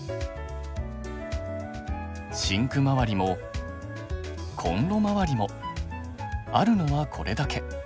シンクまわりもコンロまわりもあるのはこれだけ。